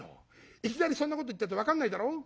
いきなりそんなこと言ったって分かんないだろ」。